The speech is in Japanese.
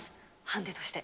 ハンデとして。